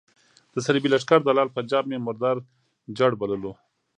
د صلیبي لښکر دلال پنجاب مې مردار جړ بللو.